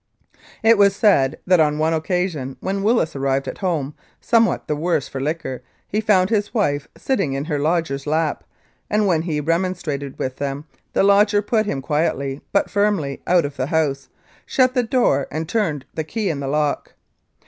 It was said that on one occasion when Willis arrived at home somewhat the worse for liquor he found his wife sitting in her lodger's lap, and when he re monstrated with them, the lodger put him quietly but firmly out of the house, shut the door and turned the key in the lock.